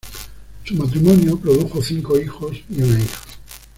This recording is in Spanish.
Su matrimonio produjo cinco hijos y una hija.